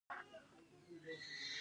د انارو د جوس فابریکې شته.